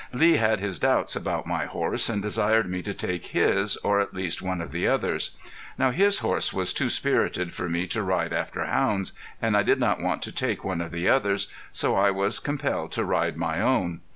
Lee had his doubts about my horse, and desired me to take his, or at least one of the others. Now his horse was too spirited for me to ride after hounds, and I did not want to take one of the others, so I was compelled to ride my own.